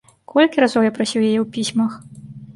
Колькі разоў я прасіў яе ў пісьмах?